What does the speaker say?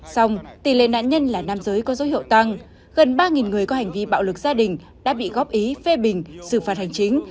xong tỷ lệ nạn nhân là nam giới có dấu hiệu tăng gần ba người có hành vi bạo lực gia đình đã bị góp ý phê bình xử phạt hành chính